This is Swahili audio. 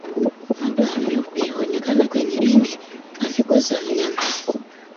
Madoa meupe huonekana kwenye ini na figo za mnyama